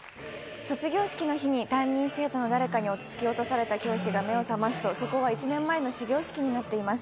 卒業式の日に生徒の誰かに突き落とされた教師が目を覚ますと、そこは１年前の始業式になっています。